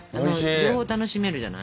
両方楽しめるじゃない。